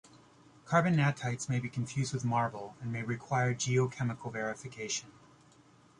Carbonatites may be confused with marble, and may require geochemical verification.